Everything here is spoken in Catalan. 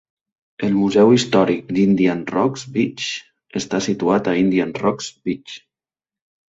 El Museu Històric d'Indian Rocks Beach està situat a Indian Rocks Beach.